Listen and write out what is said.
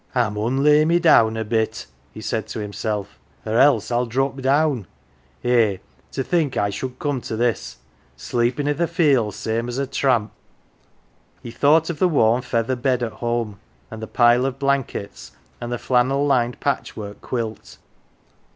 " I mun lay me down a bit," he said to himself, " or else 111 drop down. Eh, to think I should come to this sleepin" 1 T th' fields same as a tramp !" He thought of the warm feather bed at home, and the pile of blankets, and the flannel lined patchwork quilt.